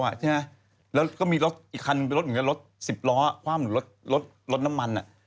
แล้วก็มีอีกคันรถรถ๑๐ล้อรถน้ำมัน